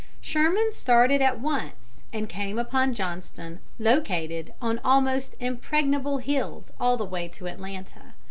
Sherman started at once, and came upon Johnston located on almost impregnable hills all the way to Atlanta.